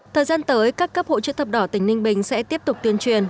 thời gian tới các cấp hộ trợ thập đỏ tỉnh ninh bình sẽ tiếp tục tuyên truyền